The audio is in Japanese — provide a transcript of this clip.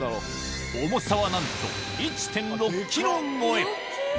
重さはなんと１．６ｋｇ超え